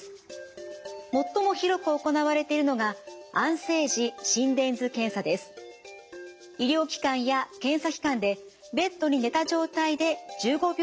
最も広く行われているのが医療機関や検査機関でベッドに寝た状態で１５秒間記録します。